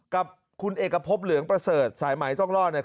กับคุณเอกพบเหลืองประเสริฐสายไหมต้องรอดเนี่ย